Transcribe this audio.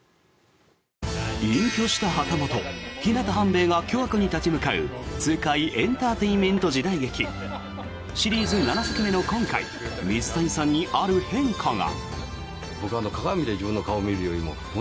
隠居した旗本、日向半兵衛が巨悪に立ち向かう痛快エンターテインメント時代劇シリーズ７作目の今回水谷さんにある変化が？